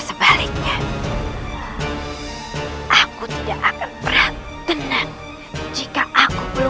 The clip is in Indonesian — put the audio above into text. kulihkan tenagamu dulu